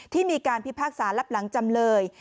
มีการพิพากษารับหลังจำเลย